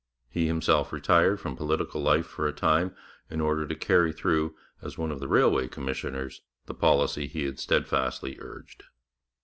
He himself retired from political life for a time in order to carry through, as one of the railway commissioners, the policy he had steadfastly urged.